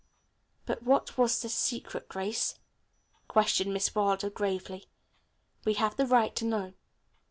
"But what was this secret, Grace?" questioned Miss Wilder gravely. "We have the right to know."